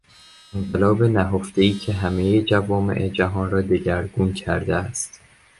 انقلاب نهفتهای که همهی جوامع جهان را دگرگون کرده است